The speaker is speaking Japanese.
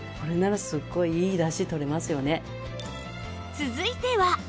続いては